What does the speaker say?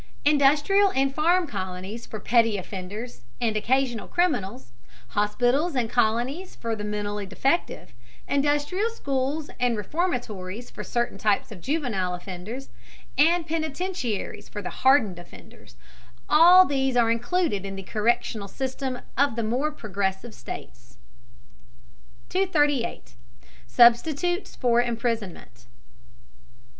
Industrial and farm colonies for petty offenders and occasional criminals, hospitals and colonies for the mentally defective, industrial schools and reformatories for certain types of juvenile offenders, and penitentiaries for hardened offenders, all these are included in the correctional system of the more progressive states. 238. SUBSTITUTES FOR IMPRISONMENT.